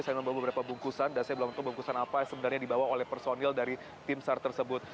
saya membawa beberapa bungkusan dan saya belum tahu bungkusan apa yang sebenarnya dibawa oleh personil dari tim sar tersebut